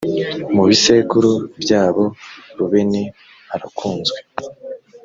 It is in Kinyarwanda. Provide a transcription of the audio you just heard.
mu bisekuru byabo rubeni arakunzwe